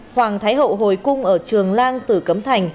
hoàng thái hậu hồi cung ở trường lan tử cấm thành